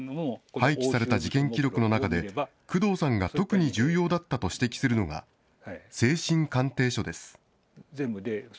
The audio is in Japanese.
廃棄された事件記録の中で、工藤さんが特に重要だったと指摘するのが、精神鑑定書です。